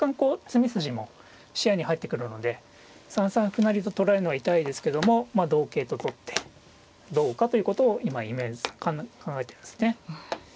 詰み筋も視野に入ってくるので３三歩成と取られるのは痛いですけども同桂と取ってどうかということを今今泉さん考えてるんですね。